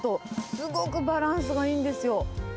すごくバランスがいいんですよ。